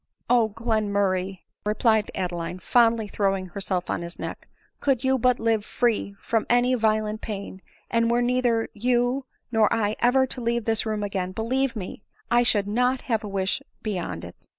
" O Glenmurray !" replied Adeline, fondly throwing herself on his neck, " could you but live free from any violent pain, and were neither you nor I ever to leave this room again, believe me, I should not have a wish beyond it.